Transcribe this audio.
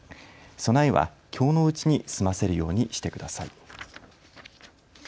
備えはきょうのうちに済ませるようにしてください。